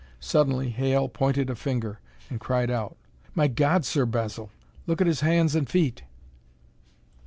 Suddenly Hale pointed a finger and cried out. "My God, Sir Basil, look at his hands and feet!"